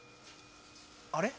あれ？